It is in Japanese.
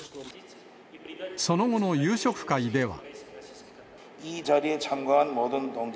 その後の夕食会では。